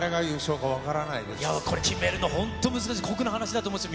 これ、決めるの、本当に難しい、酷な話だと思います。